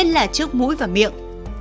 nhất là trước mũi và miệng